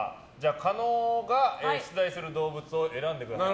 加納が出題する動物を選んでください。